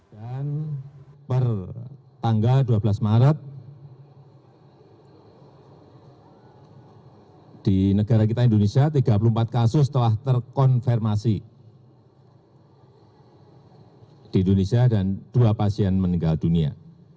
dan per tanggal dua belas maret di negara kita indonesia tiga puluh empat kasus telah terkonfirmasi di indonesia dan dua pasien meninggal dunia